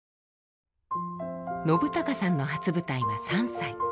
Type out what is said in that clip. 信朗さんの初舞台は３歳。